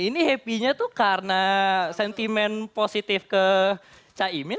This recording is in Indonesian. ini happy nya tuh karena sentimen positif ke caimin